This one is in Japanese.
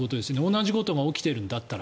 同じことが起きているんだったら。